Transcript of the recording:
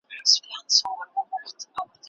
پوهانو وويل چي هوساينه د پوهي او زحمت مېوه ده.